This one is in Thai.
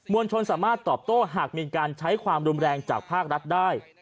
วลชนสามารถตอบโต้หากมีการใช้ความรุนแรงจากภาครัฐได้